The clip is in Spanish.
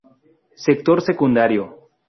Sector Secundario.